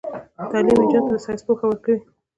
تعلیم نجونو ته د ساينس پوهه ورکوي.